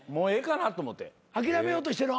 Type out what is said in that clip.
諦めようとしてる。